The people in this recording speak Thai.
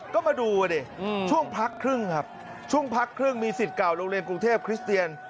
ก็มาดูดิช่วงพักครึ่งครับช่วงพักครึ่งมีสิทธิ์เก่าโรงเรียนกรุงเทพคริสเตียน